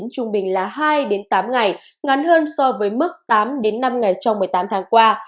trung bình là hai tám ngày ngắn hơn so với mức tám năm ngày trong một mươi tám tháng qua